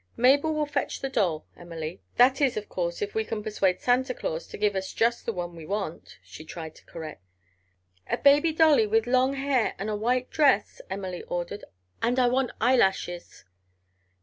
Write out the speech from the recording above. "Mabel will fetch the doll, Emily. That is, of course, if we can persuade Santa Claus to give us just the kind we want," she tried to correct. "A baby dolly—with long hair and a white dress," Emily ordered. "And I want eyelashes."